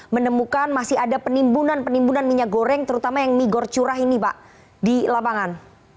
menemukan masih ada penimbunan penimbunan minyak goreng terutama yang migor curah ini pak di lapangan